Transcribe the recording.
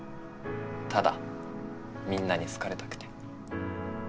ただみんなに好かれたくて。